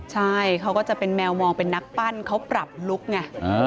ใช่เขาก็จะเป็นแมวมองเป็นนักปั้นเขาปรับลุคไง